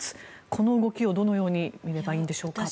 この動きをどのように見ればいいんでしょうか。